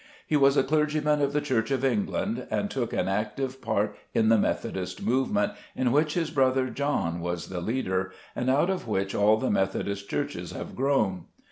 He was a clergyman of the Church of England, and took an active part in the Methodist movement, in which his brother John was the leader, and out of which all the Methodist churches have grown.